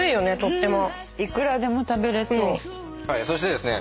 そしてですね